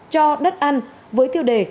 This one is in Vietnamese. cho đất ăn với tiêu đề